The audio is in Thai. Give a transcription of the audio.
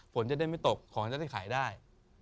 ผลจะได้อย่างนี้ไม่ตกของจะได้ขายได้